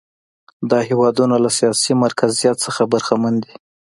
دا هېوادونه له سیاسي مرکزیت څخه برخمن دي.